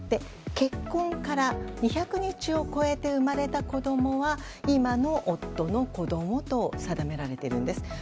結婚から２００日を超えて生まれた子供は今の夫の子供と定められているんです。